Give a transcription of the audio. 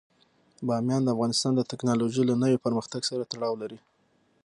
بامیان د افغانستان د تکنالوژۍ له نوي پرمختګ سره تړاو لري.